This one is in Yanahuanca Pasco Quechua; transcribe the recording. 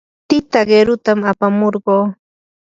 tita qirutam apamurquu.